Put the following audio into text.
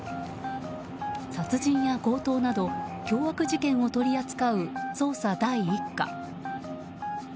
殺人や強盗など凶悪事件を取り扱う捜査第１課。